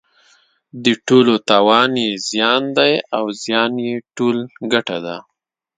د ټولو تاوان یې زیان دی او زیان یې ټول ګټه ده.